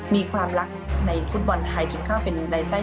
มีความรักในฟุตบอลไทยจนเข้าเป็นในไส้